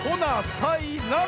さいなら！